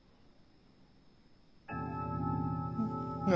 何？